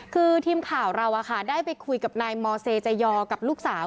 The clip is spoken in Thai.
คือทีมข่าวเราได้ไปคุยกับนายมอเซจยอกับลูกสาว